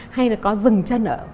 hay là có dừng chân ở đây